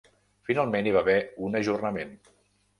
Finalment hi va haver un ajornament.